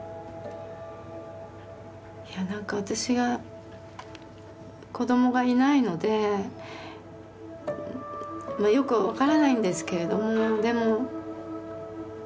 いや何か私が子どもがいないのでよくは分からないんですけれどもでも。